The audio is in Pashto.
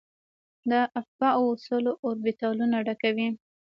د افباؤ اصول اوربیتالونه ډکوي.